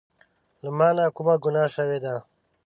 له مانه کومه ګناه شوي ده